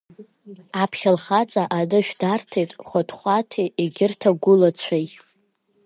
Аԥхьа лхаҵа анышә дарҭеит Хәаҭхәаҭи егьырҭ агәылацәеи.